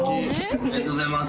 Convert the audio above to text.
ありがとうございます。